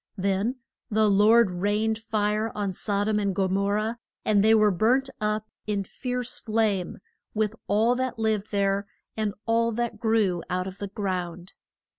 Then the Lord rained fire on Sod om and Go mor rah, and they were burnt up in fierce flame, with all that lived there, and all that grew out of the ground.